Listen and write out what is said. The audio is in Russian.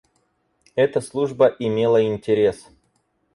Эта служба имела интерес.